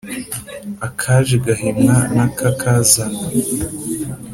Akaje gahimwa n’akakazanye.